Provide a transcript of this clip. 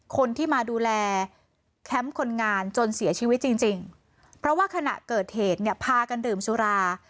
คนที่มาดูแลแคมป์คนงานจนเสียชีวิตจริงจริงเพราะว่าขณะเกิดเหตุเนี่ยพากันดื่มสุรา